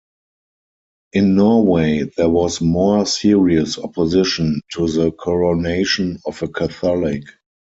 In Norway, there was more serious opposition to the coronation of a Catholic.